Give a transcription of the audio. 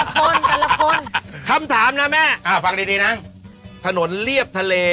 คนแต่ละคนคำถามนะแม่ฟังดีนะถนนเรียบทะเล